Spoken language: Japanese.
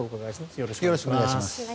よろしくお願いします。